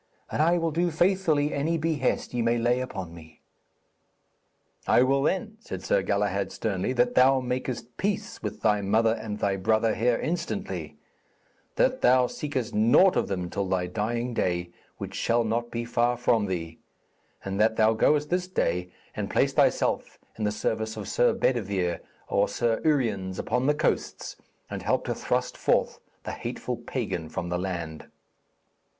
And I will do faithfully any behest ye may lay upon me.' 'I will then,' said Sir Galahad sternly, 'that thou makest peace with thy mother and thy brother here instantly; that thou seekest naught of them till thy dying day, which shall not be far from thee; and that thou goest this day and place thyself in the service of Sir Bedevere, or Sir Uriens upon the coasts, and help to thrust forth the hateful pagan from the land.'